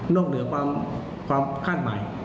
นอกเหนือความคาดหมาย